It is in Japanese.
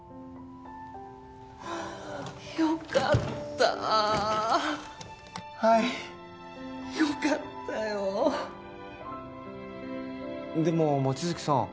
よかったはいよかったよでも望月さん